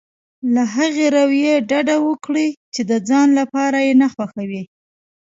له هغې رويې ډډه وکړي چې د ځان لپاره نه خوښوي.